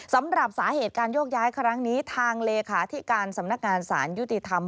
สำหรับสาเหตุการโยกย้ายครั้งนี้ทางเลขาธิการสำนักงานสารยุติธรรม